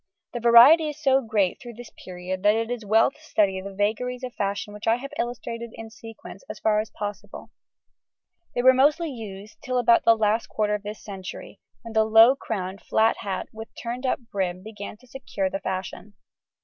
The variety is so great through this period that it is well to study the vagaries of fashion which I have illustrated in sequence as far as possible; they were mostly used till about the last quarter of this century, when the low crowned flat hat with turned up brim began to secure the fashion.